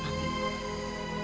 kalau begitu saya beramil